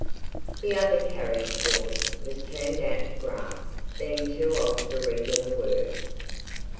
The other carriage horse was turned out to grass; being too old for regular work.